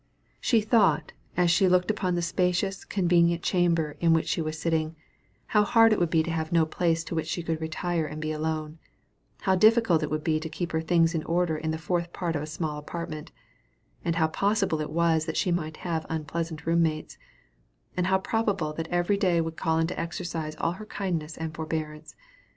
She thought, as she looked upon the spacious, convenient chamber in which she was sitting, how hard it would be to have no place to which she could retire and be alone, and how difficult it would be to keep her things in order in the fourth part of a small apartment, and how possible it was that she might have unpleasant room mates, and how probable that every day would call into exercise all her kindness and forbearance.